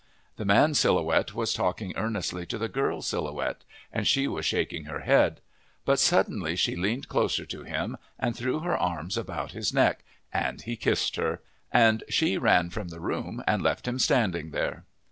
The Man Silhouette was talking earnestly to the Girl Silhouette, and she was shaking her head. But suddenly she leaned closer to him, and threw her arms about his neck, and he kissed her, and she ran from the room and left him standing there.